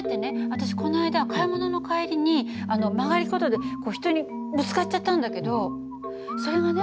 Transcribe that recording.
私この間買い物の帰りに曲がり角で人にぶつかっちゃったんだけどそれがね